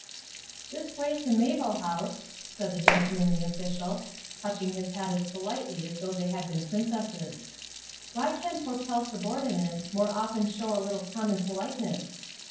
"This way to the Mayville House," said the gentlemanly official, touching his hat as politely as though they had been princesses. Why can't hotel subordinates more often show a little common politeness?